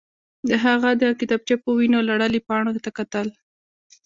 هغه د کتابچې په وینو لړلو پاڼو ته کتل